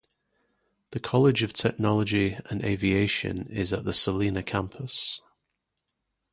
The College of Technology and Aviation is at the Salina campus.